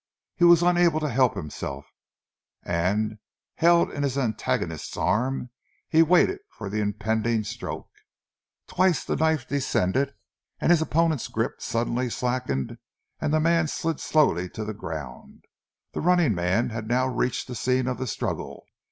He was unable to help himself, and, held in his antagonist's arms, he waited for the impending stroke. Twice the knife descended, and his opponent's grip suddenly slackened and the man slid slowly to the ground. The running man had now reached the scene of the struggle.